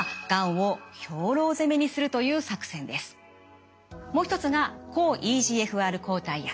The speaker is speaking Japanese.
もうひとつが抗ＥＧＦＲ抗体薬。